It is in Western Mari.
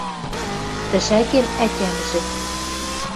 Тӹшӓкен ӓтямжӹ